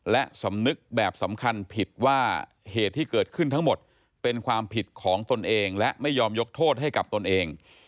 และสำนึกแบบสำคัญผิดว่าเหตุที่เกิดขึ้นทั้งหมดเป็นความผิดของตนเองและไม่ยอมยกโทษให้กับตนเอง